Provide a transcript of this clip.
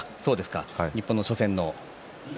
日本の初戦。